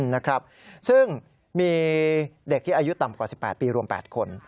นะครับซึ่งมีเด็กที่อายุต่ำกว่า๑๘ปีรวม๘คน